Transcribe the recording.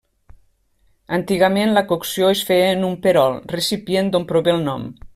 Antigament la cocció es feia en un perol, recipient d'on prové el nom.